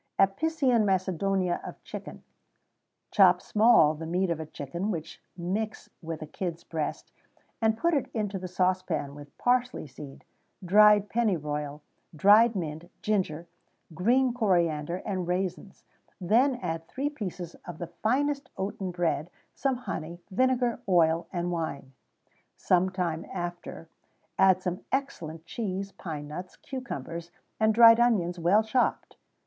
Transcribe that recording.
Apician Macedonia of Chicken. Chop small the meat of a chicken, which mix with a kid's breast, and put it into a saucepan with parsley seed, dried pennyroyal, dried mint, ginger, green coriander, and raisins; then add three pieces of the finest oaten bread, some honey, vinegar, oil, and wine; some time after, add some excellent cheese, pine nuts, cucumbers, and dried onions, well chopped.